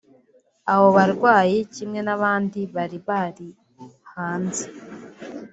Abo barwayi kimwe n’abandi bari bari hanze